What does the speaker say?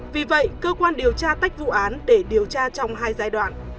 vì vậy cơ quan điều tra tách vụ án để điều tra trong hai giai đoạn